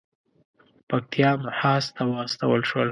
پکتیا محاذ ته واستول شول.